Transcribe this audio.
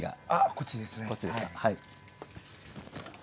こっちですか。